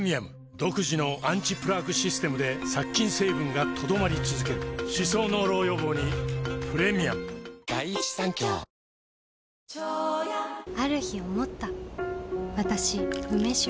独自のアンチプラークシステムで殺菌成分が留まり続ける歯槽膿漏予防にプレミアムＷＢＣ、３大会ぶり１４年ぶりですね。